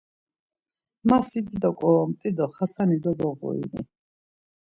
Ma si dido ǩoromt̆i do Xasani doboğurini.